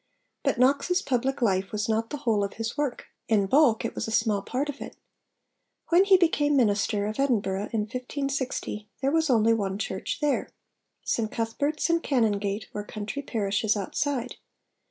But Knox's public life was not the whole of his work: in bulk, it was a small part of it. When he became minister of Edinburgh in 1560 there was only one church there; St Cuthberts and Canongate were country parishes outside.